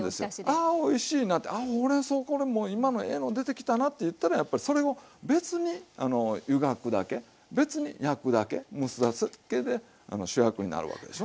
あおいしいなってあほうれんそうこれもう今のええの出てきたなっていったらやっぱりそれを別にゆがくだけ別に焼くだけ蒸すだけで主役になるわけでしょ。